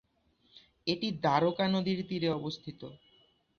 এটি দ্বারকা নদীর তীরে অবস্থিত।